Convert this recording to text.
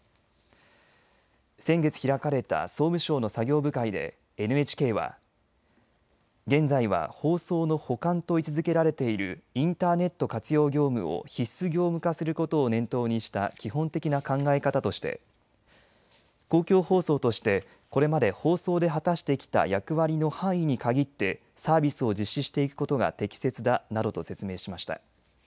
先月、開かれた総務省の作業部会でＮＨＫは現在は放送の補完と位置づけられているインターネット活用業務を必須業務化することを念頭にした基本的な考え方として公共放送としてこれまで放送で果たしてきた役割の範囲に限ってサービスを実施していくことが適切だなどと説明しました。